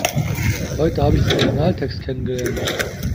Heute habe ich den Originaltext kennengelernt.